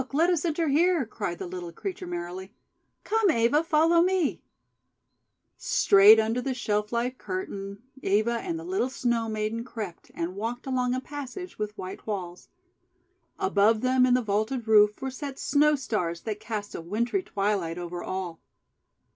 Let us enter here!" cried the little creature merrily. * Come, Eva, follow me." IN THE GARDEN OF FROST FLOWERS STRAIGHT under the shelf like curtain Eva and the little Snow Maiden crept, and walked along a passage with white walls. Above them in the vaulted roof were set Snow Stars that cast a wintry twilight over all.